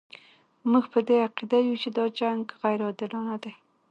موږ په دې عقیده یو چې دا جنګ غیر عادلانه دی.